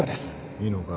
いいのか？